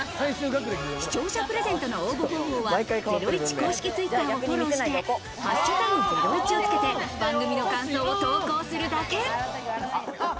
視聴者プレゼントの応募方法はゼロイチ公式Ｔｗｉｔｔｅｒをフォローして「＃ゼロイチ」をつけて番組の感想を投稿するだけ。